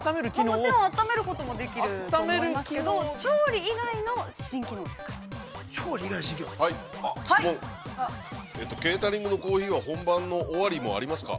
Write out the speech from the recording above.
◆もちろん温めることもできると思いますけど、調理以外の新機能ですから。